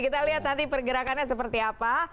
kita lihat nanti pergerakannya seperti apa